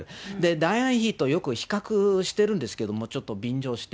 ダイアナ妃とよく比較してるんですけども、ちょっと便乗して。